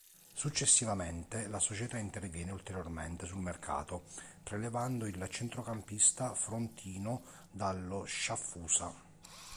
Successivamente la società interviene ulteriormente sul mercato, prelevando il centrocampista Frontino dallo Sciaffusa.